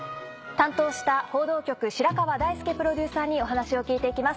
担当した報道局白川大介プロデューサーにお話を聞いていきます